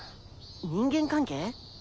人間関係？